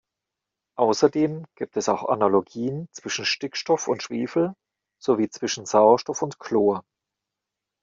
Außerdem gibt es auch Analogien zwischen Stickstoff und Schwefel sowie zwischen Sauerstoff und Chlor.